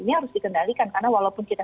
ini harus dikendalikan karena walaupun kita